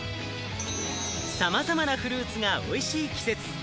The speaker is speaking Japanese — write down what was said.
さまざまなフルーツが美味しい季節。